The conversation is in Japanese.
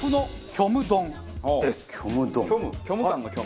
虚無感の虚無です。